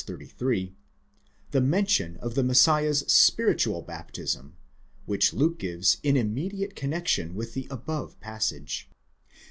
33) the mention of the Messiah's spiritual baptism, which Luke gives in immediate connexion with the above passage.